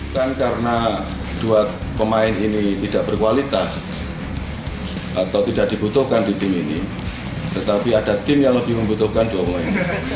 dan karena dua pemain ini tidak berkualitas atau tidak dibutuhkan di tim ini tetapi ada tim yang lebih membutuhkan dua pemain